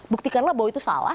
buktikanlah bahwa itu salah